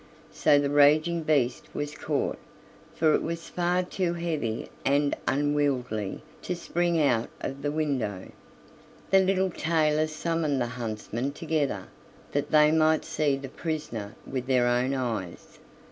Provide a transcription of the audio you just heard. So the raging beast was caught, for it was far too heavy and unwieldy to spring out of the window. The little tailor summoned the huntsmen together, that they might see the prisoner with their own eyes.